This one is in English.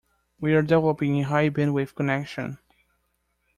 We're developing a high bandwidth connection.